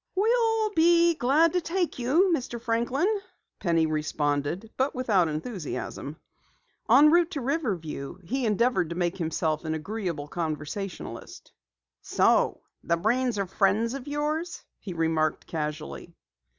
"We'll be glad to take you, Mr. Franklin," Penny responded, but without enthusiasm. Enroute to Riverview he endeavored to make himself an agreeable conversationalist. "So the Breens are friends of yours?" he remarked casually.